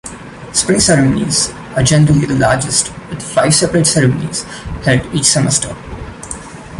Spring ceremonies are generally the largest, with five separate ceremonies held each semester.